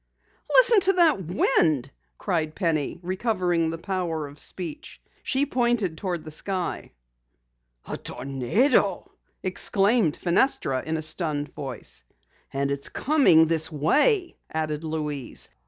"Listen to that wind!" cried Penny, recovering the power of speech. She pointed toward the sky. "A tornado!" exclaimed Fenestra in a stunned voice. "And it's coming this way," added Louise.